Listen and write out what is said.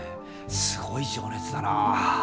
すごい情熱だな。